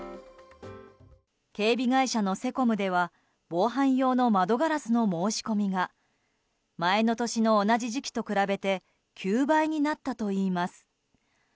警備会社のセコムでは防犯用の窓ガラスの申し込みが前の年の同じ時期と比べて９倍になったといいます。